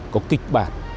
có kịch bản